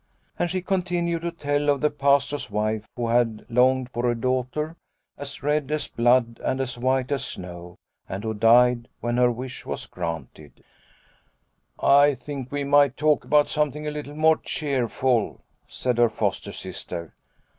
And she continued to tell of the Pastor's wife who had longed for a daughter, as red as blood and as white as snow, and who died when her wish was granted. 4 O Liliecrona's Home " I think we might talk about something a little more cheerful," said her foster sister.